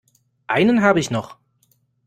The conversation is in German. Einen habe ich noch.